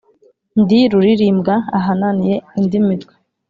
Ndi rulirimbwa ahananiye indi mitwe